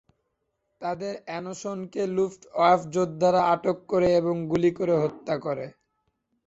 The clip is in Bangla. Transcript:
তাদের অ্যানসনকে লুফ্টওয়াফ যোদ্ধারা আটক করে এবং গুলি করে হত্যা করে।